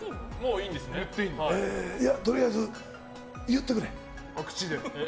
とりあえず、言ってくれ。